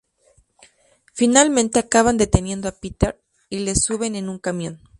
Finalmente acaban deteniendo a Peter y le suben en un camión.